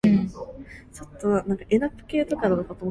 馬拉松